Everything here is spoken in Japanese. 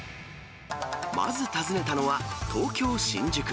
まず訪ねたのは、東京・新宿。